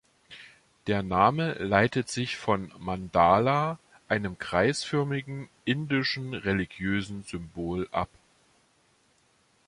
Der Name leitet sich von Mandala, einem kreisförmigen indischen religiösen Symbol ab.